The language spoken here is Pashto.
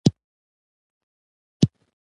د نري رنځ ناروغي د بکتریا په واسطه منځ ته راځي.